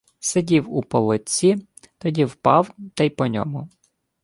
— Сидів у полотці, тоді впав та й по ньому...